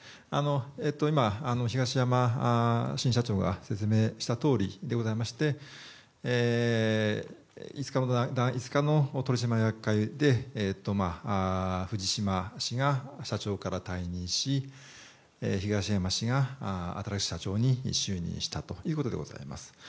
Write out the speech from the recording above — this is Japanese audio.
今、東山新社長が説明したとおりでございまして５日の取締役会で藤島氏が社長から退任し東山氏が新しい社長に就任したということでございます。